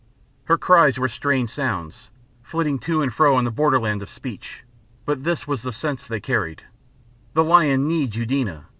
Her cries were strange sounds, flitting to and fro on the borderland of speech, but this was the sense they carried: "The lion needs Eudena.